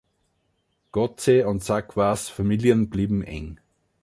Godse and Savarkar's Familien blieben eng.